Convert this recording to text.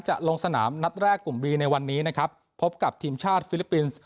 จะลงสนามนัดแรกกลุ่มบีในวันนี้นะครับพบกับทีมชาติฟิลิปปินส์